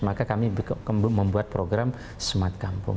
maka kami membuat program smart kampung